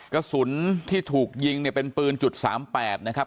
กระสุนที่ถูกยิงเนี่ยเป็นปืนจุด๓๘นะครับ